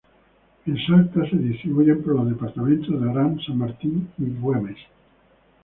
En Salta se distribuyen por los departamentos de Orán, San Martín, y Güemes.